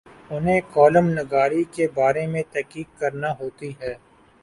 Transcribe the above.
انہیں کالم نگاری کے بارے میں تحقیق کرنا ہوتی ہے۔